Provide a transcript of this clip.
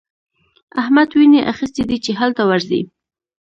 احمد ويني اخيستی دی چې هلته ورځي.